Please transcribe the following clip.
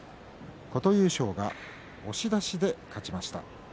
琴裕将、押し出しで勝ちました。